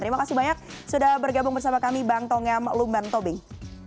terima kasih banyak sudah bergabung bersama kami bang tongam lumban tobing